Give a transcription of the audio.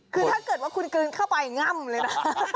คือถ้าเกิดว่าคุณกลืนเข้าไปง่ำเลยนะ